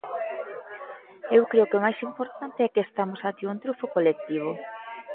Eu creo que o máis importante é que estamos ante un triunfo colectivo.